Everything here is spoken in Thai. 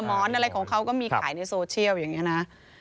หมอนอะไรของเขาก็มีขายในโซเชียลอย่างนี้นะ